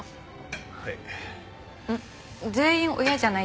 はい。